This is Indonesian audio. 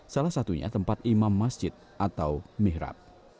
salah satunya tempat imam masjid atau mihrab